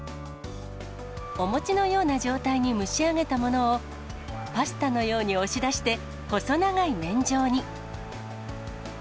お餅のような状態に蒸し上げたものを、パスタのように押し出して、細長い麺状に。